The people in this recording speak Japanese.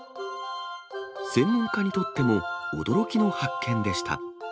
専門家にとっても、驚きの発見でした。